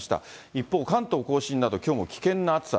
一方、関東甲信など、きょうも危険な暑さ。